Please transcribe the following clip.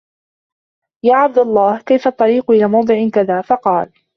يَا عَبْدَ اللَّهِ كَيْفَ الطَّرِيقُ إلَى مَوْضِعِ كَذَا ؟ فَقَالَ